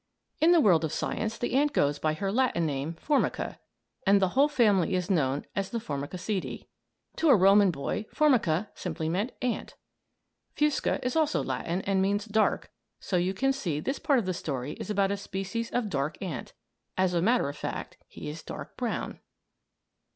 In the world of science, the ant goes by her Latin name, Formica, and the whole family is known as the Formicidæ. To a Roman boy Formica simply meant "ant." Fusca is also Latin, and means "dark"; so you can see this part of the story is about a species of dark ant. As a matter of fact he is dark brown.